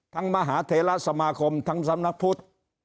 มหาเทราสมาคมทั้งสำนักพุทธ